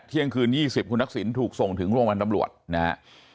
เที่ยงคืน๒๐คุณทักษิณถูกส่งถึงโรงพยาบาลตำรวจนะฮะ